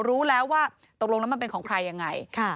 รู้แล้วว่าตกลงแล้วมันเป็นของใครยังไง